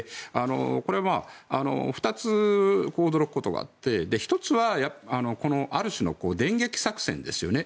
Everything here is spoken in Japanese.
これ、２つ驚くことがあって１つはある種の電撃作戦ですよね。